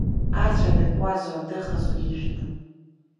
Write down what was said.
Ацәа дакуазу, дыҟазу ижәны…